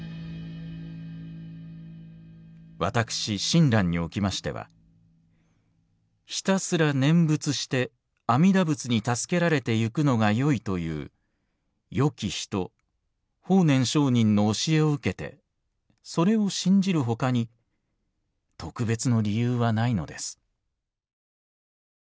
「私親鸞におきましては『ひたすら念仏して阿弥陀仏に助けられてゆくのがよい』という『よき人』法然上人の教えを受けてそれを信じる他に特別の理由はないのです」。